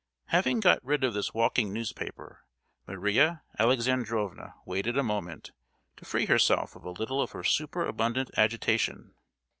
Having got rid of this walking newspaper, Maria Alexandrovna waited a moment, to free herself of a little of her super abundant agitation.